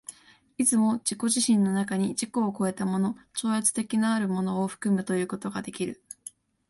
いつも自己自身の中に自己を越えたもの、超越的なるものを含むということができる。